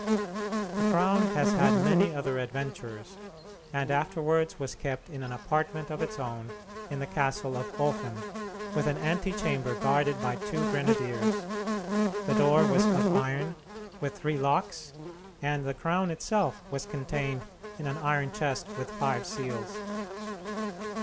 The crown has had many other adventures, and afterwards was kept in an apartment of its own in the castle of Ofen, with an antechamber guarded by two grenadiers. The door was of iron, with three locks, and the crown itself was contained in an iron chest with five seals.